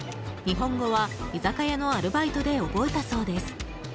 日本語は居酒屋のアルバイトで覚えたそうです。